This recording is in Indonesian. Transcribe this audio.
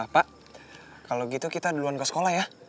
pak kalau gitu kita duluan ke sekolah ya